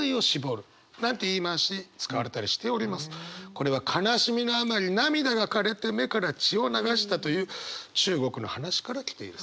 これは悲しみのあまり涙がかれて目から血を流したという中国の話から来ているそう。